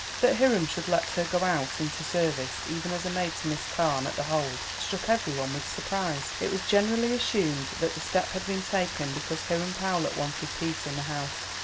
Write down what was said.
That Hiram should then let her go out into service, even as maid to Miss Carne at The Hold, struck every one with surprise. It was generally assumed that the step had been taken because Hiram Powlett wanted peace in the house.